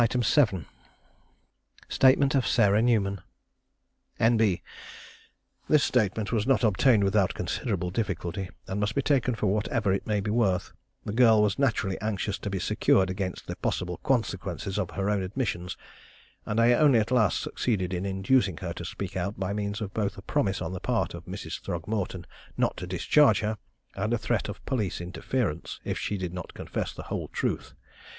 Statement of Sarah Newman. N.B. This statement was not obtained without considerable difficulty, and must be taken for whatever it may be worth. The girl was naturally anxious to be secured against the possible consequences of her own admissions, and I only at last succeeded in inducing her to speak out by means both of a promise on the part of Mrs. Throgmorton not to discharge her, and a threat of police interference, if she did not confess the whole truth.